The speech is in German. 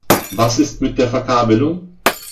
Was ist mit der Verkabelung?